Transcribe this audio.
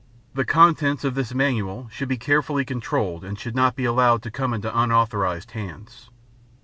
The contents of this Manual should be carefully controlled and should not be allowed to come into unauthorized hands.